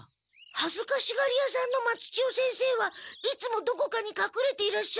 はずかしがり屋さんの松千代先生はいつもどこかにかくれていらっしゃるから。